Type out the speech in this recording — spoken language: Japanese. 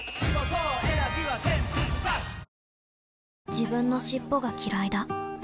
自分の尻尾がきらいだ